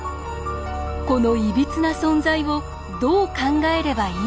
このいびつな存在をどう考えればいいのか。